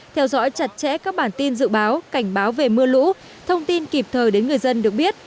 theo dõi chặt chẽ các bản tin dự báo cảnh báo về mưa lũ thông tin kịp thời đến người dân được biết